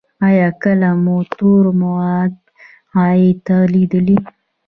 ایا کله مو تور مواد غایطه لیدلي؟